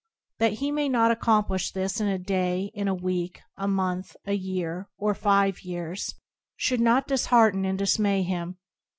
That he may not ac complish this in a day, a week, a month, a year, or five years, should not dishearten and dismay him.